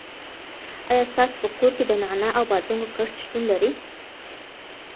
آیا ستاسو په کور کې د نعناع او بادرنګو کښت شتون لري؟